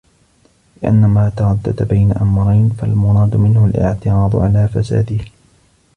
لِأَنَّ مَا تَرَدَّدَ بَيْنَ أَمْرَيْنِ فَالْمُرَادُ مِنْهُ الِاعْتِرَاضُ عَلَى فَسَادِهِ